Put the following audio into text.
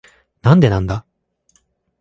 なんでなんだ？